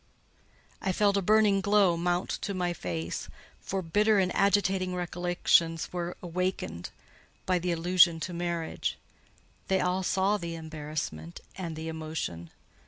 I felt a burning glow mount to my face; for bitter and agitating recollections were awakened by the allusion to marriage. They all saw the embarrassment and the emotion.